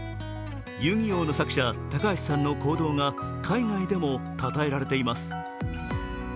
「遊戯王」の作者、高橋さんの行動が海外でもたたえられています。